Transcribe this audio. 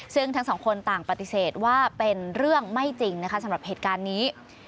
ซึ่งทั้งสองคนต่างปฏิเสธว่าเป็นเรื่องไม่จริงนะคะสำหรับเหตุการณ์นี้